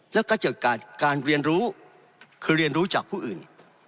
แล้วก็จะเกิดการเรียนรู้คือเรียนรู้จากผู้อื่น